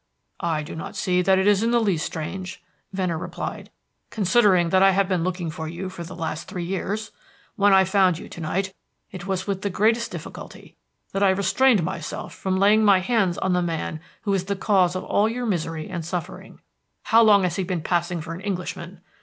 "I do not see that it is in the least strange," Venner replied, "considering that I have been looking for you for the last three years. When I found you to night, it was with the greatest difficulty that I restrained myself from laying my hands on the man who is the cause of all your misery and suffering. How long has he been passing for an Englishman?